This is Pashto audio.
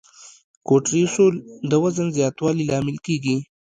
کورټیسول د وزن زیاتوالي لامل کېږي.